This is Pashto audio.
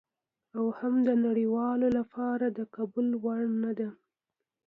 او هم د نړیوالو لپاره د قبول وړ نه ده.